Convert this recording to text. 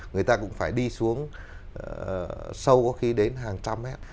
người ta cũng phải đi xuống sâu có khi đến hàng trăm mét